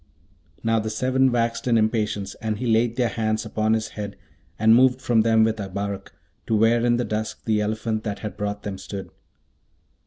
Now, the seven waxed in impatience, and he laid their hands upon his head and moved from them with Abarak, to where in the dusk the elephant that had brought them stood.